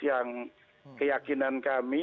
yang keyakinan kami